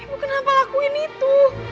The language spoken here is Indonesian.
ibu kenapa lakuin itu